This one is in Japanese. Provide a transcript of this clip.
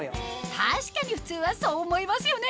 確かに普通はそう思いますよね